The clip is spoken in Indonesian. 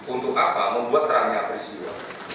untuk apa membuat ranya perisiwa